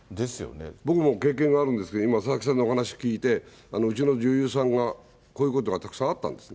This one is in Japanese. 僕も経験があるんですけど、今、佐々木さんのお話聞いて、うちの女優さんがこういうことがたくさんあったんですね。